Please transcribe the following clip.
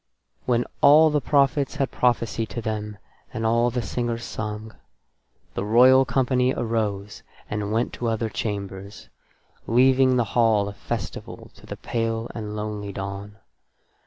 When all the prophets had prophesied to them and all the singers sung, that royal company arose and went to other chambers, leaving the hall of festival to the pale and lonely dawn.